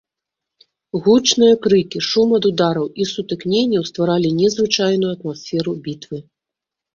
Гучныя крыкі, шум ад удараў і сутыкненняў стваралі незвычайную атмасферу бітвы.